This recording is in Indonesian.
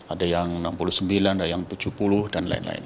ada yang enam puluh sembilan ada yang tujuh puluh dan lain lain